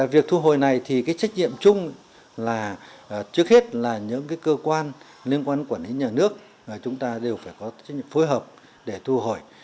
việc thu hồi này thì cái trách nhiệm chung là trước hết là những cơ quan liên quan quản lý nhà nước chúng ta đều phải có trách nhiệm phối hợp để thu hồi